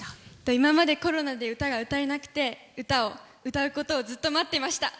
今までコロナで歌が歌えなくて歌を歌うことをずっと待っていました。